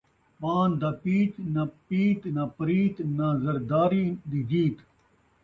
پان٘د دا پیچ نہ پیت نہ پریت نہ زرداری دی جیت